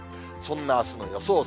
そんなあすの予想